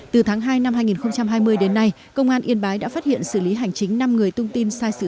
từ tháng hai năm hai nghìn hai mươi đến nay công an yên bái đã phát hiện xử lý hành chính năm người tung tin sai sự thật